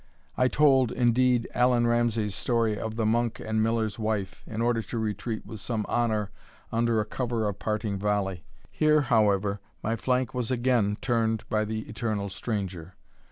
I told, indeed, Allan Ramsay's story of the Monk and Miller's Wife, in order to retreat with some honour under cover of a parting volley. Here, however, my flank was again turned by the eternal stranger.